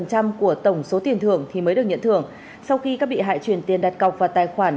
của tổng số tiền thưởng thì mới được nhận thưởng sau khi các bị hại chuyển tiền đặt cọc vào tài khoản